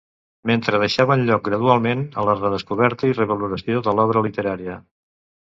mentre deixaven lloc gradualment a la redescoberta i revaloració de l'obra literària